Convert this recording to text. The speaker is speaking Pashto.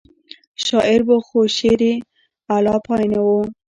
شاعر و خو شعر یې اعلی پای نه و.